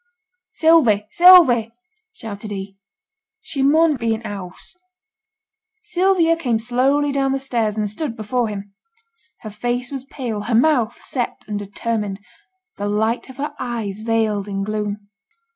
'Sylvie, Sylvie!' shouted he; 'she mun be i' t' house.' Sylvia came slowly down the stairs, and stood before him. Her face was pale, her mouth set and determined; the light of her eyes veiled in gloom.